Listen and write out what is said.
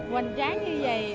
hoành tráng như vậy